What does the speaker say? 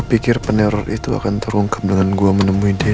pikir peneror itu akan terungkap dengan gue menemui dia